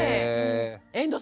遠藤さん